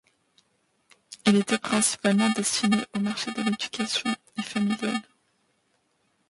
Il était principalement destiné au marché de l'éducation et familial.